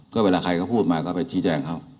ก็เวลาใครเขาพูดมาก็ไปชี้แจงเขา